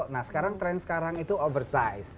nah sekarang tren sekarang itu oversize